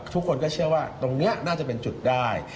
ทุกคนก็เชื่อว่าตรงนี้น่าจะเป็นจุดได้